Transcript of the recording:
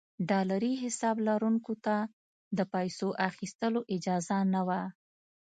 ډالري حساب لرونکو ته د پیسو ایستلو اجازه نه وه.